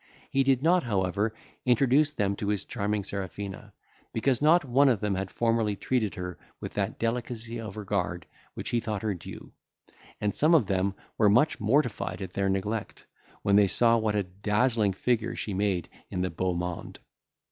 He did not, however, introduce them to his charming Serafina; because not one of them had formerly treated her with that delicacy of regard which he thought her due; and some of them were much mortified at their neglect, when they saw what a dazzling figure she made in the beau monde.